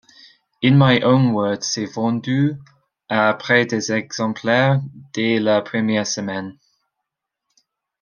In My Own Words s'est vendu à près de exemplaires dès la première semaine.